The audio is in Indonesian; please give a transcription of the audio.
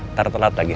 ntar telat lagi